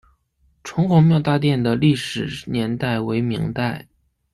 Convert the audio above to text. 城隍庙大殿的历史年代为明代。